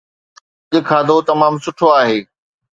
اڄ کاڌو تمام سٺو آهي